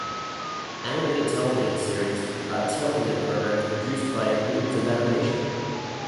Animated television series are television programs produced by means of animation.